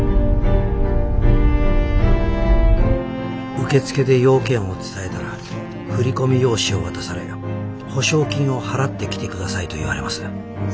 受付で用件を伝えたら振込用紙を渡され「保証金を払ってきてください」と言われます。